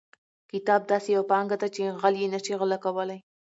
کتاب داسې یوه پانګه ده چې غل یې نشي غلا کولی.